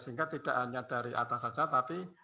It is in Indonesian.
sehingga tidak hanya dari atas saja tapi